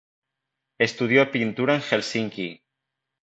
Estudió pintura en Helsinki.